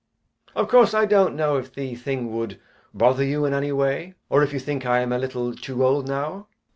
Of course I don't know if the thing would bother you in any way, or if you think I am a little too old now.